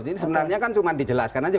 jadi sebenarnya kan cuma dijelaskan aja